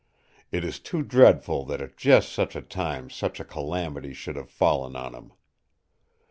It is too dreadful that at just such a time such a calamity should have fallen on him.